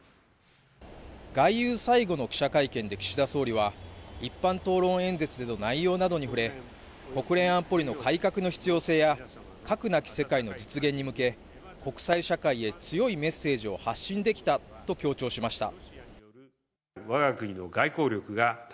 外遊最後の記者会見で岸田総理は一般討論演説の内容などに触れ国連安保理の改革の必要性や核なき世界の実現に向け、国際社会へ強いメッセージを発信できたと強調しました。